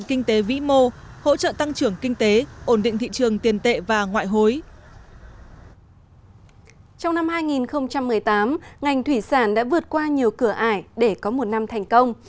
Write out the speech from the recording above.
trong năm hai nghìn một mươi tám ngành thủy sản đã vượt qua nhiều cửa ải để có một năm thành công